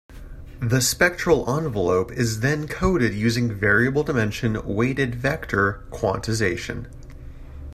The spectral envelope is then coded using variable-dimension weighted vector quantization.